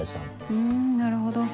ふんなるほど。